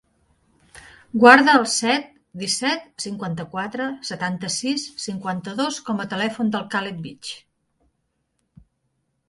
Guarda el set, disset, cinquanta-quatre, setanta-sis, cinquanta-dos com a telèfon del Caleb Vich.